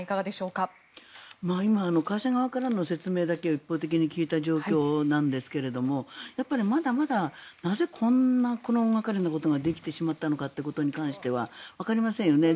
今、会社側からの説明だけ一方的に聞いた状況なんですがやっぱり、まだまだなぜこんな大掛かりなことができてしまったのかはわかりませんよね。